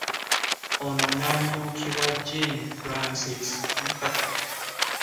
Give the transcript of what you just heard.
Ono n'amyukibwa Jane Francis Nakato.